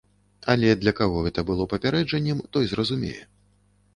Але для каго гэта было папярэджаннем, той зразумее.